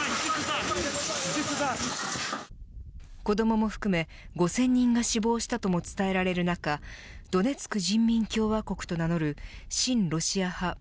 子どもも含め５０００人の死亡したとも伝えられる中ドネツク人民共和国と名乗る親ロシア派